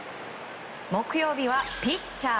木曜日はピッチャー